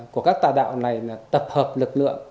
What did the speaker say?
của các tà đạo này là tập hợp lực lượng